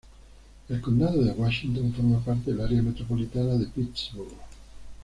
El condado de Washington forma parte del área metropolitana de Pittsburgh.